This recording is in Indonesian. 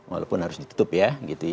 walaupun harus ditutup ya